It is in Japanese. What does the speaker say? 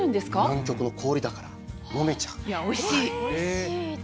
南極の氷だから飲めちゃう。